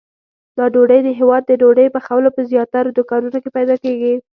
دا ډوډۍ د هیواد د ډوډۍ پخولو په زیاترو دوکانونو کې پیدا کېږي.